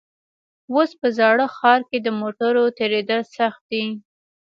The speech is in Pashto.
اوس په زاړه ښار کې د موټرو تېرېدل سخت دي.